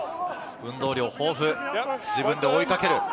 運動量豊富、自分で追いかける。